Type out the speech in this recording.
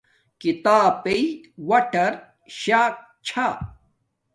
کھیتاپݵ وٹر شاک چھا